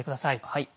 はい。